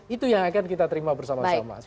itu yang akan kita terima bersama sama